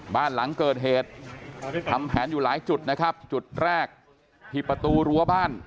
บ้านหลังเกิดเหตุทำแผนอยู่หลายจุดนะครับจุดแรกที่ประตูรั้วบ้าน